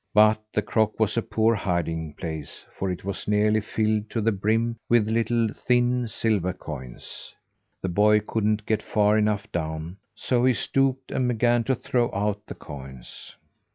But the crock was a poor hiding place, for it was nearly filled to the brim with little, thin silver coins. The boy couldn't get far enough down, so he stooped and began to throw out the coins.